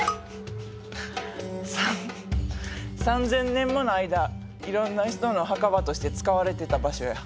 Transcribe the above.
３，０００年もの間いろんな人の墓場として使われてた場所や。